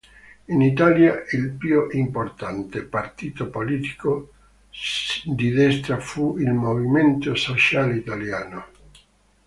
In Italia, il più importante partito politico di destra fu il Movimento sociale italiano.